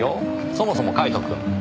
そもそもカイトくん。